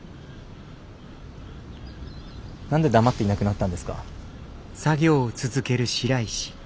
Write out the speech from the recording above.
何で黙っていなくなったんですか。